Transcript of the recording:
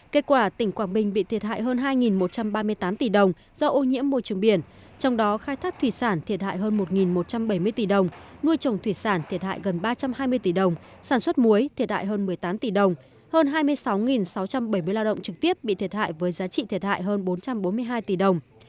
kết quả tỉnh quảng bình bị thiệt hại hơn hai một trăm ba mươi tám tỷ đồng do ô nhiễm môi trường biển trong đó khai thác thủy sản thiệt hại hơn một một trăm bảy mươi tỷ đồng nuôi trồng thủy sản thiệt hại gần ba trăm hai mươi tỷ đồng sản xuất muối thiệt hại hơn một mươi tám tỷ đồng hơn hai mươi sáu sáu trăm bảy mươi lao động trực tiếp bị thiệt hại với giá trị thiệt hại hơn bốn trăm bốn mươi hai tỷ đồng